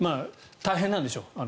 大変なんでしょう